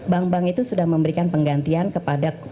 bank bank itu sudah memberikan penggantian kepada